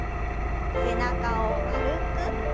背中を丸く。